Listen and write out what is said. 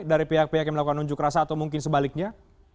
dari pihak pihak yang melakukan unjuk rasa atau mungkin sebaliknya